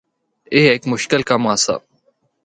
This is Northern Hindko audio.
اے ہک مشکل کم آسا۔